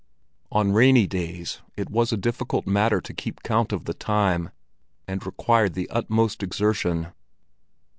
On rainy days it was a difficult matter to keep count of the time, and required the utmost exertion.